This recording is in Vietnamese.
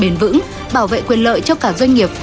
bền vững bảo vệ quyền lợi cho cả doanh nghiệp